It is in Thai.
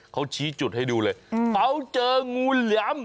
เขาชี้จุดให้ดูเลยเขาเจองูเหลือม